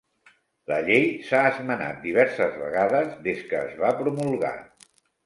La llei s'ha esmenat diverses vegades des que es va promulgar.